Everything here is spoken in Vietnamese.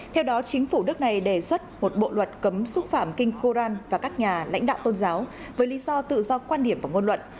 theo đó chính phủ nước này đề xuất một bộ luật cấm xúc phạm kinh koran và các nhà lãnh đạo tôn giáo với lý do tự do quan điểm và ngôn luận